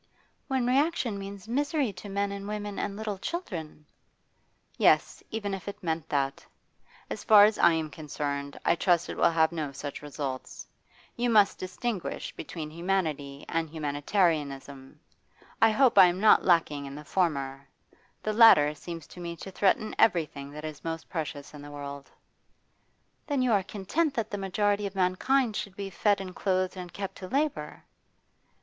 'When reaction means misery to men and women and little children?' 'Yes, even if it meant that. As far as I am concerned, I trust it will have no such results. You must distinguish between humanity and humanitarianism. I hope I am not lacking in the former; the latter seems to me to threaten everything that is most precious in the world.' 'Then you are content that the majority of mankind should be fed and clothed and kept to labour?